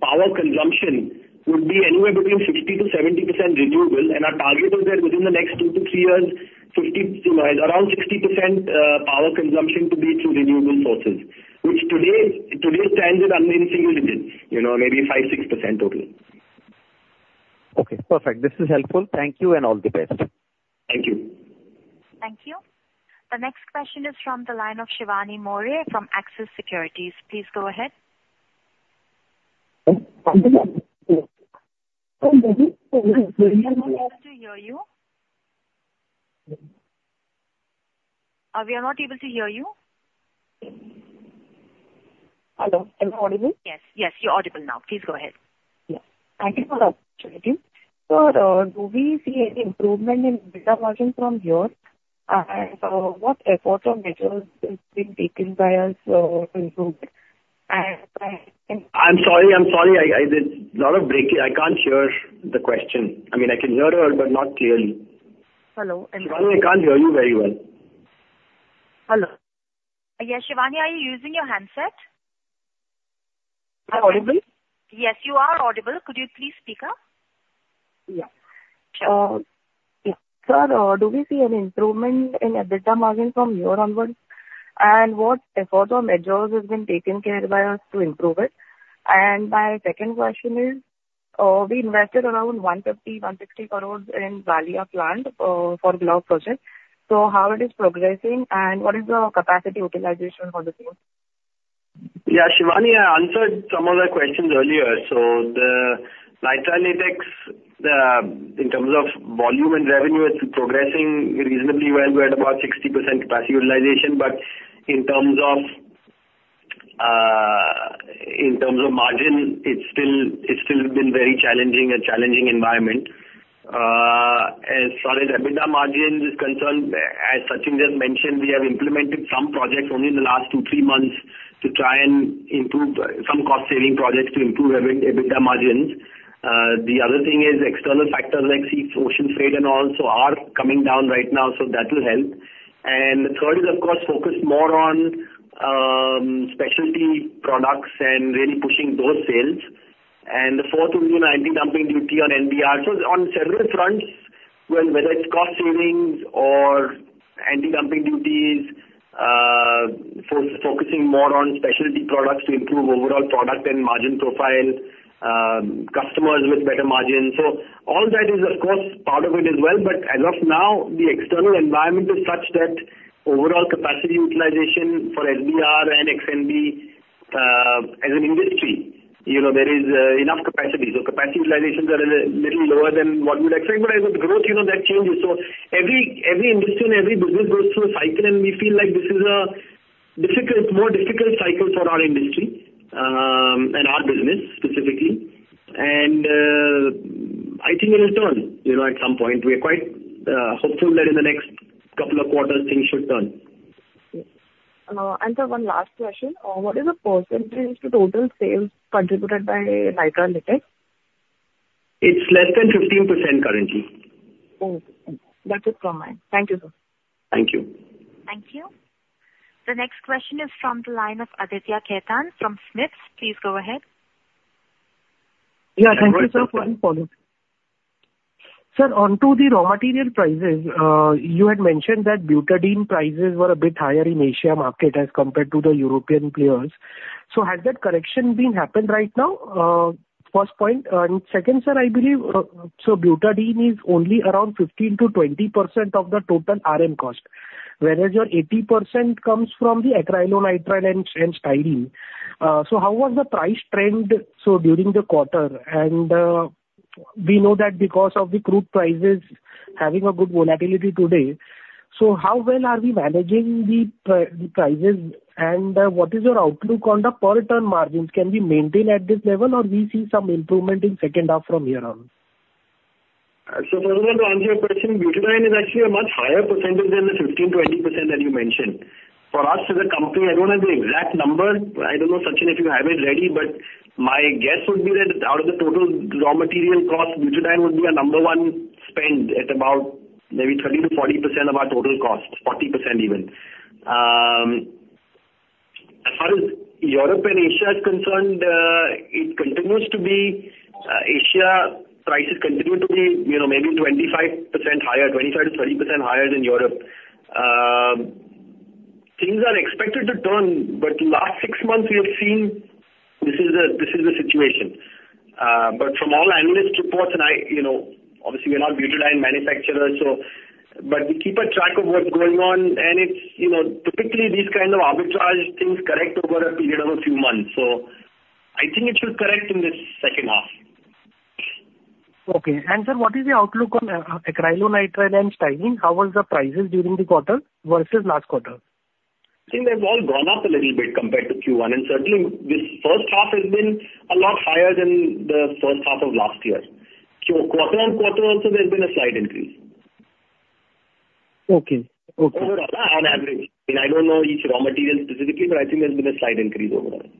power consumption would be anywhere between 60% to 70% renewable. Our target is that within the next two to three years, 50, you know, around 60% power consumption to be through renewable sources, which today stands at under single digits, you know, maybe 5-6% total. Okay, perfect. This is helpful. Thank you, and all the best. Thank you. Thank you. The next question is from the line of Shivani Maurya from Axis Securities. Please go ahead. We are not able to hear you. We are not able to hear you. Hello, am I audible? Yes, yes, you're audible now. Please go ahead. Yeah. Thank you for the opportunity. Sir, do we see any improvement in EBITDA margin from here? And what effort or measures is being taken by us to improve it? I'm sorry, there's a lot of breaking. I can't hear the question. I mean, I can hear her, but not clearly. Hello. Shivani, I can't hear you very well. Hello. Yeah. Shivani, are you using your handset? Audible? Yes, you are audible. Could you please speak up? Yeah. Sir, do we see an improvement in EBITDA margin from here onwards? And what effort or measures has been taken care of by us to improve it? And my second question is, we invested around 150-160 crore in Valia plant for glove project. So how it is progressing, and what is the capacity utilization for the same? Yeah, Shivani, I answered some of the questions earlier. So the nitrile latex, in terms of volume and revenue, is progressing reasonably well. We're at about 60% capacity utilization, but in terms of, in terms of margin, it's still been very challenging, a challenging environment. As far as EBITDA margin is concerned, as Sachin has mentioned, we have implemented some projects only in the last two, three months to try and improve, some cost-saving projects to improve our EBITDA margins. The other thing is external factors like sea, ocean freight and all, so are coming down right now, so that will help. And the third is, of course, focus more on, specialty products and really pushing those sales. And the fourth will be an anti-dumping duty on NBR. So on several fronts, well, whether it's cost savings or anti-dumping duties, focusing more on specialty products to improve overall product and margin profile, customers with better margins. So all that is, of course, part of it as well. But as of now, the external environment is such that overall capacity utilization for NBR and XSBR, as an industry, you know, there is enough capacity. So capacity utilizations are a little lower than what you would expect, but as we grow, you know, that changes. So every industry and every business goes through a cycle, and we feel like this is a more difficult cycle for our industry, and our business specifically. And I think it will turn, you know, at some point. We are quite hopeful that in the next couple of quarters, things should turn. Okay, and sir, one last question. What is the percentage to total sales contributed by nitrile latex? It's less than 15% currently. Okay. That's it from my end. Thank you, sir. Thank you. Thank you. The next question is from the line of Aditya Khetan from SMIFS Limited. Please go ahead. Yeah. Thank you, sir, for the follow-up. Sir, on to the raw material prices, you had mentioned that butadiene prices were a bit higher in Asia market as compared to the European players. So has that correction been happened right now? First point, and second, sir, I believe, so butadiene is only around 15%-20% of the total RM cost, whereas your 80% comes from the acrylonitrile and styrene. So how was the price trend, so during the quarter? And, we know that because of the crude prices having a good volatility today, so how well are we managing the prices, and, what is your outlook on the polymer margins? Can we maintain at this level, or we see some improvement in second half from here on?... So first of all, to answer your question, butadiene is actually a much higher percentage than the 15-20% that you mentioned. For us as a company, I don't have the exact number. I don't know, Sachin, if you have it ready, but my guess would be that out of the total raw material cost, butadiene would be our number one spend at about maybe 30-40% of our total cost, 40% even. As far as Europe and Asia is concerned, it continues to be, Asia prices continue to be, you know, maybe 25% higher, 25-30% higher than Europe. Things are expected to turn, but the last six months we have seen this is the, this is the situation. But from all analyst reports, and I, you know, obviously we're not Butadiene manufacturers, so but we keep a track of what's going on. And it's, you know, typically these kind of arbitrage things correct over a period of a few months. So I think it should correct in this second half. Okay. And sir, what is the outlook on acrylonitrile and styrene? How was the prices during the quarter versus last quarter? I think they've all gone up a little bit compared to Q1, and certainly this first half has been a lot higher than the first half of last year. So quarter on quarter also, there's been a slight increase. Okay. Okay. Overall, on average, and I don't know each raw material specifically, but I think there's been a slight increase overall.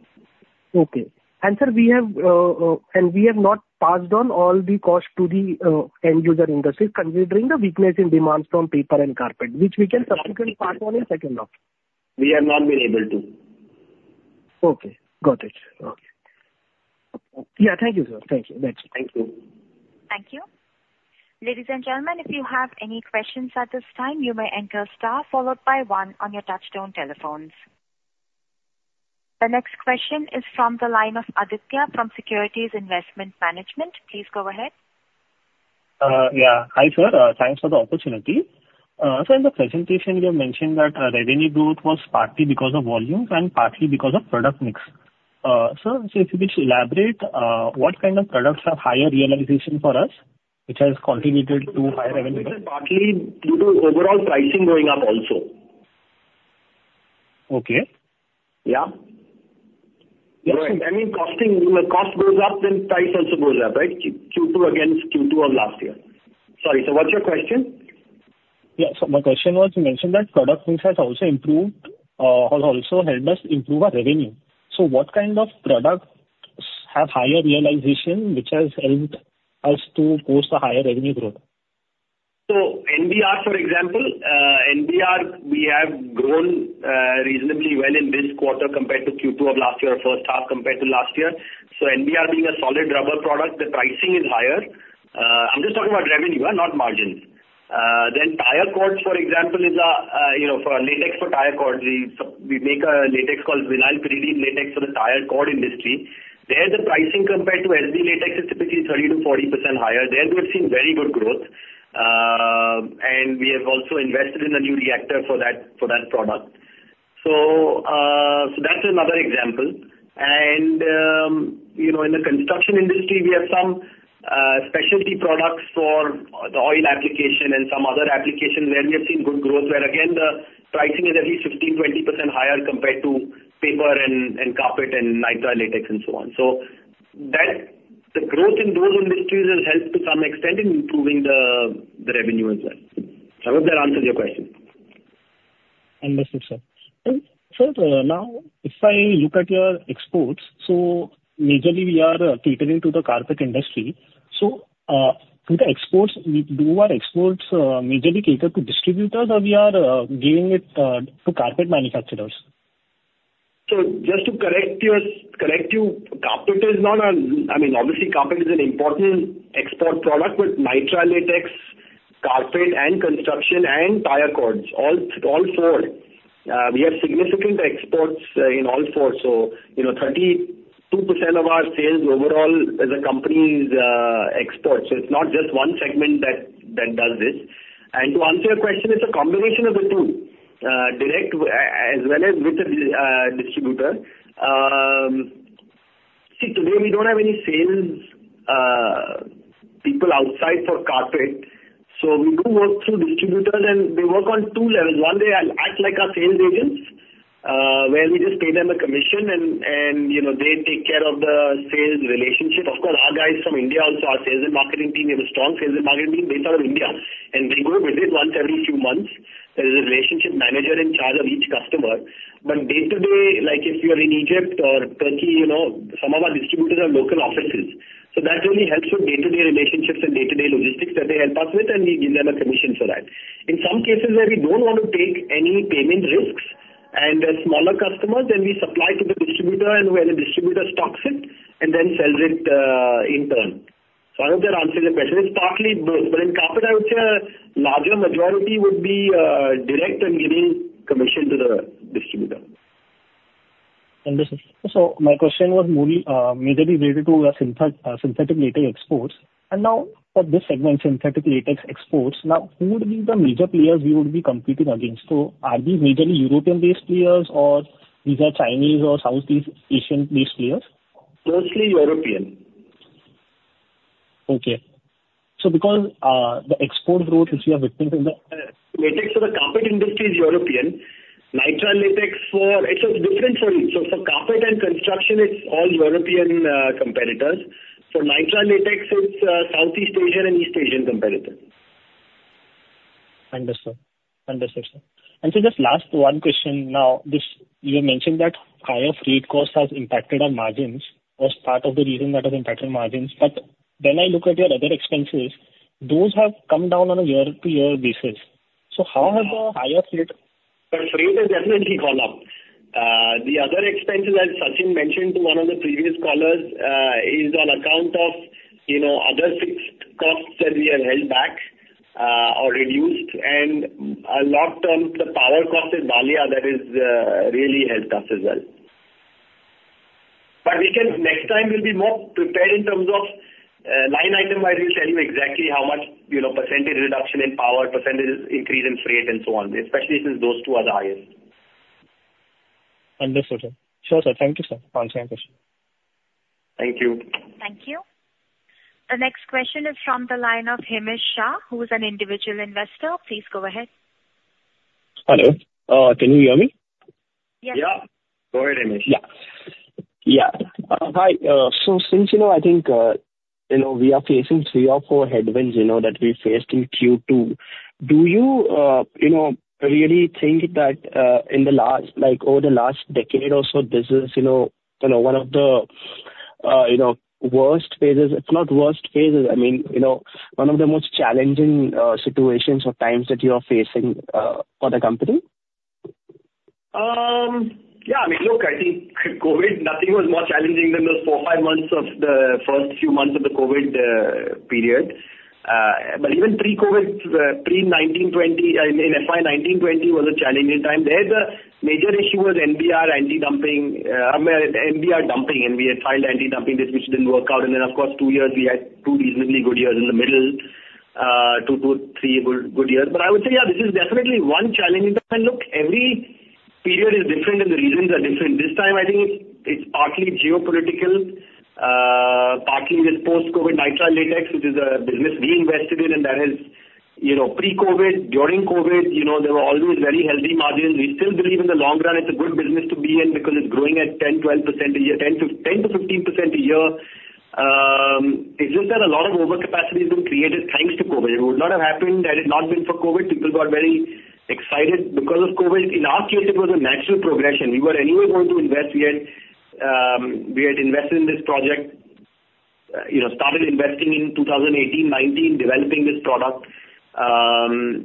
Okay. And sir, we have not passed on all the costs to the end user industries, considering the weakness in demands from paper and carpet, which we can subsequently pass on in second half. We have not been able to. Okay, got it. Okay. Yeah, thank you, sir. Thank you. Thanks. Thank you. Thank you. Ladies and gentlemen, if you have any questions at this time, you may enter star followed by one on your touchtone telephones. The next question is from the line of Aditya from Securities Investment Management. Please go ahead. Yeah. Hi, sir. Thanks for the opportunity. So in the presentation, you have mentioned that revenue growth was partly because of volumes and partly because of product mix. Sir, so if you please elaborate, what kind of products have higher realization for us, which has contributed to higher revenue? Partly due to overall pricing going up also. Okay. Yeah. Yeah. I mean, costing, when cost goes up, then price also goes up, right? Q2 against Q2 of last year. Sorry, so what's your question? Yeah, so my question was, you mentioned that product mix has also improved, has also helped us improve our revenue. So what kind of products have higher realization, which has helped us to post a higher revenue growth? So NBR, for example, NBR, we have grown reasonably well in this quarter compared to Q2 of last year, or first half compared to last year. So NBR being a solid rubber product, the pricing is higher. I'm just talking about revenue, not margins. Then tyre cords, for example, is a, you know, for latex for tyre cords, we, so we make a latex called vinyl pyridine latex for the tyre cord industry. There, the pricing compared to SB latex is typically 30%-40% higher. There we've seen very good growth. And we have also invested in a new reactor for that, for that product. So, so that's another example. You know, in the construction industry, we have some specialty products for the oil application and some other application where we have seen good growth, where again, the pricing is at least 15%-20% higher compared to paper, carpet and nitrile latex and so on. That growth in those industries has helped to some extent in improving the revenue as well. I hope that answers your question. Understood, sir. And sir, now if I look at your exports, so majorly we are catering to the carpet industry. So, to the exports, do our exports majorly cater to distributors, or we are giving it to carpet manufacturers? So just to correct you, carpet is not an. I mean, obviously, carpet is an important export product, but nitrile latex, carpet and construction and tyre cords, all four. We have significant exports in all four. So, you know, 32% of our sales overall as a company is exports. So it's not just one segment that does this. And to answer your question, it's a combination of the two, direct as well as with the distributor. See, today we don't have any sales people outside for carpet, so we do work through distributors, and they work on two levels. One, they act like our sales agents, where we just pay them a commission and, you know, they take care of the sales relationship. Of course, our guys from India, also our sales and marketing team, we have a strong sales and marketing team based out of India, and they go visit once every few months. There is a relationship manager in charge of each customer. But day-to-day, like if you are in Egypt or Turkey, you know, some of our distributors have local offices. So that really helps with day-to-day relationships and day-to-day logistics that they help us with, and we give them a commission for that. In some cases where we don't want to take any payment risks and a smaller customer, then we supply to the distributor and where the distributor stocks it and then sells it, in turn. So I hope that answers your question. It's partly both, but in carpet, I would say a larger majority would be, direct and giving commission to the distributor. Understood. So my question was more majorly related to synthetic latex exports. And now for this segment, synthetic latex exports, now who would be the major players we would be competing against? So are these majorly European-based players or these are Chinese or Southeast Asian-based players? Mostly European. Okay. So because the export growth which we have witnessed in the- Latex for the carpet industry is European. Nitrile latex for, it's different for each. So for carpet and construction, it's all European competitors. For nitrile latex, it's Southeast Asian and East Asian competitors. Understood. Understood, sir. And so just last one question now. This, you mentioned that higher freight cost has impacted on margins, or part of the reason that has impacted margins. But when I look at your other expenses, those have come down on a year-to-year basis. So how have the higher freight- The freight has definitely gone up. The other expenses, as Sachin mentioned to one of the previous callers, is on account of, you know, other fixed costs that we have held back, or reduced. And a lot of times, the power cost in Valia, that is, really helped us as well. Next time we'll be more prepared in terms of, line item-wise, we'll tell you exactly how much, you know, percentage reduction in power, percentage increase in freight, and so on, especially since those two are the highest. Understood, sir. Sure, sir. Thank you, sir. For answering my question. Thank you. Thank you. The next question is from the line of Hemish Shah, who is an individual investor. Please go ahead. Hello. Can you hear me? Yes. Yeah. Go ahead, Hemish. Yeah. Yeah. Hi. So since, you know, I think, you know, we are facing three or four headwinds, you know, that we faced in Q2, do you, you know, really think that, in the last, like, over the last decade or so, this is, you know, you know, one of the, you know, worst phases, if not worst phases, I mean, you know, one of the most challenging, situations or times that you are facing, for the company? Yeah, I mean, look, I think COVID, nothing was more challenging than those four, five months of the first few months of the COVID period. But even pre-COVID, pre-2019-20, in FY 2019-20 was a challenging time. There, the major issue was NBR anti-dumping, I mean, NBR dumping, and we had filed anti-dumping, which didn't work out. And then, of course, two years, we had two reasonably good years in the middle, two to three good years. But I would say, yeah, this is definitely one challenging time. Look, every period is different, and the reasons are different. This time, I think it's partly geopolitical, partly it is post-COVID nitrile latex, which is a business we invested in, and that is, you know, pre-COVID. During COVID, you know, there were always very healthy margins. We still believe in the long run it's a good business to be in because it's growing at 10-12% a year, 10-15% a year. It's just that a lot of overcapacity has been created thanks to COVID. It would not have happened had it not been for COVID. People got very excited because of COVID. In our case, it was a natural progression. We were anyway going to invest. We had invested in this project, you know, started investing in 2018, 2019, developing this product. So,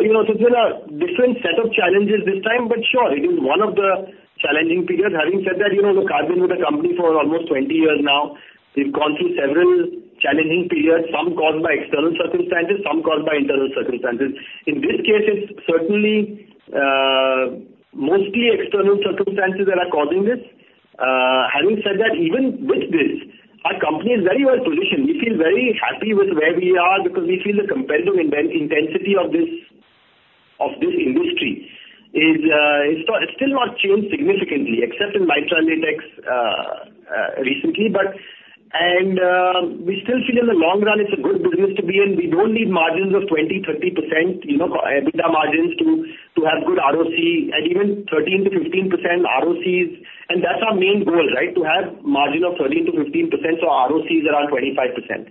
you know, so it's been a different set of challenges this time, but sure, it is one of the challenging periods. Having said that, you know, look, I've been with the company for almost 20 years now. We've gone through several challenging periods, some caused by external circumstances, some caused by internal circumstances. In this case, it's certainly mostly external circumstances that are causing this. Having said that, even with this, our company is very well positioned. We feel very happy with where we are, because we feel the competitive intensity of this industry is, it's still not changed significantly except in nitrile latex recently. But we still feel in the long run, it's a good business to be in. We don't need margins of 20, 30%, you know, EBITDA margins to have good ROC, and even 13-15% ROCs, and that's our main goal, right? To have margin of 13-15%, so ROCs around 25%.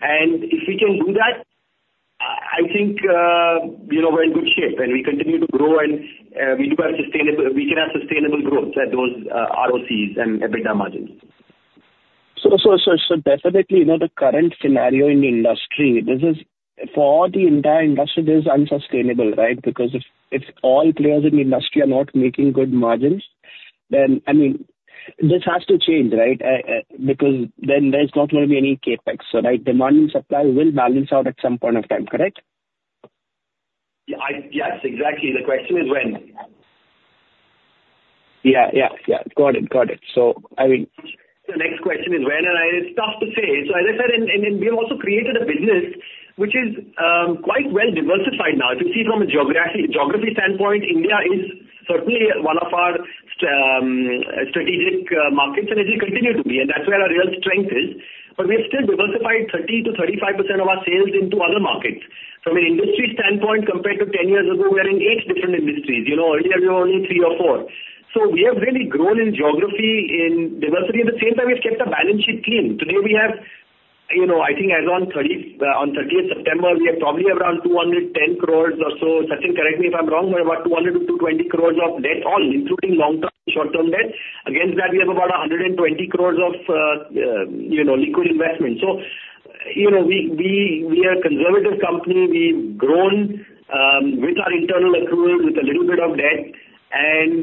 And if we can do that, I think we are in very good shape, and we continue to grow and we can have sustainable growth at those ROCs and EBITDA margins. Definitely, you know, the current scenario in the industry, this is for the entire industry, this is unsustainable, right? Because if all players in the industry are not making good margins, then, I mean, this has to change, right? Because then there's not going to be any CapEx, so right, demand and supply will balance out at some point of time, correct? Yeah. Yes, exactly. The question is when? Yeah, got it. So I mean- The next question is when, and it's tough to say. So as I said, and we have also created a business which is quite well diversified now. If you see from a geography standpoint, India is certainly one of our strategic markets, and it will continue to be, and that's where our real strength is. But we've still diversified 30%-35% of our sales into other markets. From an industry standpoint, compared to 10 years ago, we are in 8 different industries. You know, earlier we were only 3 or 4. So we have really grown in geography, in diversity. At the same time, we've kept our balance sheet clean. Today we have, you know, I think as on thirtieth September, we have probably around 210 crores or so. Sachin, correct me if I'm wrong, but about 200-220 crores of debt, all including long-term, short-term debt. Against that, we have about 120 crores of, you know, liquid investment. So, you know, we are a conservative company. We've grown with our internal accrual, with a little bit of debt, and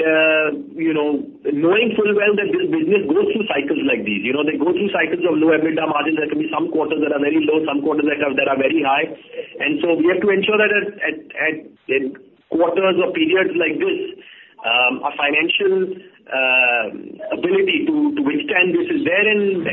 you know, knowing full well that this business goes through cycles like these. You know, they go through cycles of low EBITDA margins. There can be some quarters that are very low, some quarters that are very high. And so we have to ensure that at quarters or periods like this, our financial ability to withstand this is there and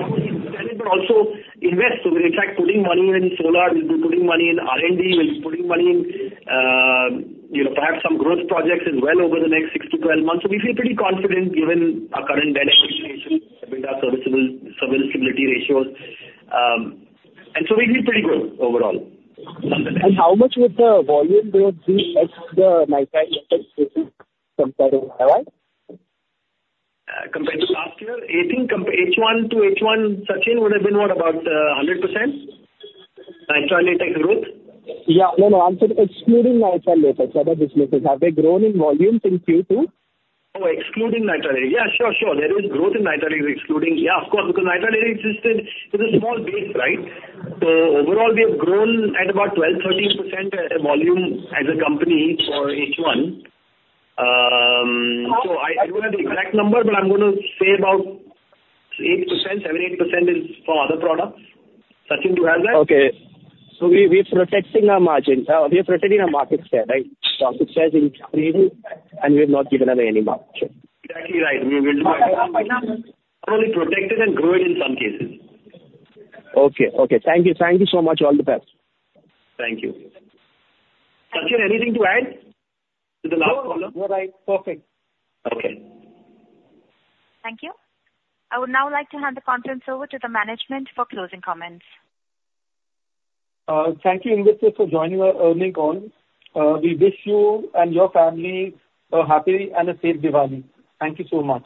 not only withstand it, but also invest. So we're in fact putting money in solar. We'll be putting money in R&D. We'll be putting money in, you know, perhaps some growth projects as well over the next six to twelve months. So we feel pretty confident given our current debt equity ratios, EBITDA serviceability, serviceability ratios. And so we feel pretty good overall. How much would the volume growth be at the nitrile latex business compared to last? Compared to last year? I think compared H1 to H1, Sachin, would have been, what, 100% nitrile latex growth? Yeah. No, no, I'm saying excluding nitrile latex, other businesses, have they grown in volume in Q2? Oh, excluding nitrile. Yeah, sure, sure. There is growth in nitrile excluding... Yeah, of course, because nitrile existed as a small base, right? So overall, we have grown at about 12-13% volume as a company for H1. So I don't have the exact number, but I'm going to say about 7-8% is from other products. Sachin, do you have that? Okay. So we, we're protecting our margins, we are protecting our market share, right? Market share is increasing, and we have not given away any market share. Exactly right. We will not only protect it and grow it in some cases. Okay. Okay. Thank you. Thank you so much. All the best. Thank you. Sachin, anything to add to the last call? No, you're right. Perfect. Okay. Thank you. I would now like to hand the conference over to the management for closing comments. Thank you, investors, for joining our earnings call. We wish you and your family a happy and a safe Diwali. Thank you so much.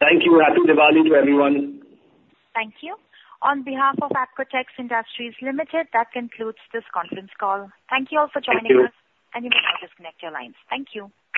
Thank you. Happy Diwali to everyone. Thank you. On behalf of Apcotex Industries Limited, that concludes this conference call. Thank you all for joining us. Thank you. And you may disconnect your lines. Thank you.